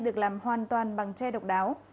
được làm hoàn toàn bằng che độc đáo